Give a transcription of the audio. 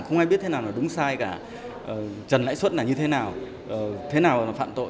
không ai biết thế nào là đúng sai cả trần lãi xuất là như thế nào thế nào là phạm tội